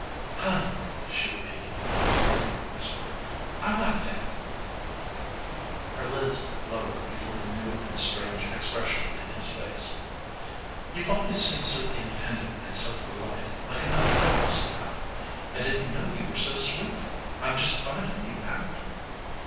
"Honey!" she repeated in a wondering whisper. "I like that." Her lids lowered before the new and strange expression in his face. "You've always seemed so independent and self reliant, like another fellow, somehow. I didn't know you were so sweet. I'm just finding you out."